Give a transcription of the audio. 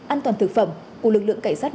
an toàn thực phẩm của lực lượng cảnh sát